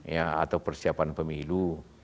ya atau persiapan pemilu